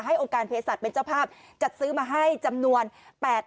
องค์การเพศสัตว์เป็นเจ้าภาพจัดซื้อมาให้จำนวน